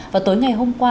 và tối ngày hôm qua